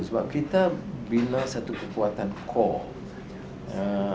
sebab kita bina satu kekuatan core